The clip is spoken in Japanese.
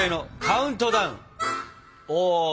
お。